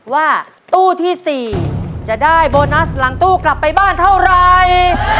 ว่าตู้ที่๔จะได้โบนัสหลังตู้กลับไปบ้านเท่าไร